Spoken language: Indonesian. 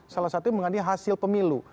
salah satunya mengenai hasil pemilu